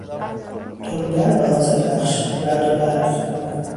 تندر و آذرخش، رعد و برق